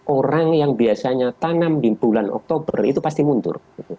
orang yang biasanya tanam di bulan oktober itu pasti mundur